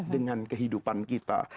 dengan kehidupan kita